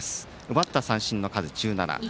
奪った三振の数は１７。